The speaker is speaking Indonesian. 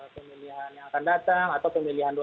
pemilihan yang akan datang atau pemilihan